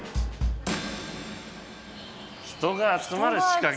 人が集まる仕掛け？